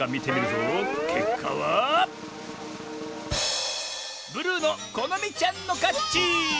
けっかはブルーのこのみちゃんのかち！